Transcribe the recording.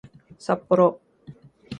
さっぽろ